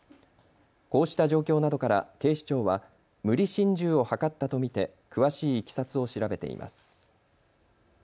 こうした状況などから警視庁は無理心中を図ったと見て詳しいいきさつを調べています。